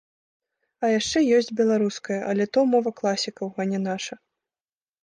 А яшчэ ёсць беларуская, але то мова класікаў, а не наша.